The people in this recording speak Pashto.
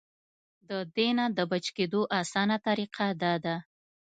د دې نه د بچ کېدو اسانه طريقه دا ده -